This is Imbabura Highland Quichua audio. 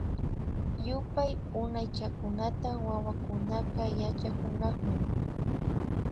Yupay Unaychakunata wawakunaka yachakunakun